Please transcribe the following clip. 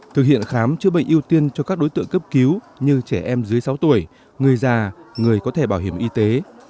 thực hiện khám chữa bệnh ưu tiên cho các đối tượng cấp cứu như trẻ em dưới sáu tuổi người già người có thẻ bảo hiểm y tế